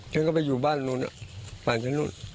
ฉันก็ไปอยู่บ้านนู้นผ่านจากนู้น